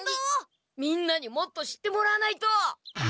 みんなにもっと知ってもらわないと。